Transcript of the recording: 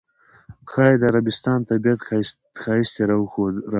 ښایي د عربستان طبیعت ښایست یې راښودله.